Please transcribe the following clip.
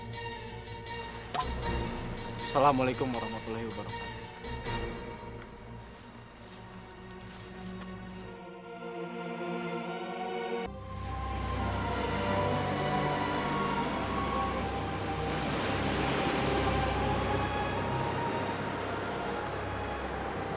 assalamualaikum warahmatullahi wabarakatuh